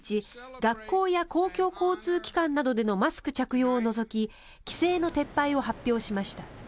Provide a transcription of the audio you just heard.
学校や公共交通機関などでのマスク着用を除き規制の撤廃を発表しました。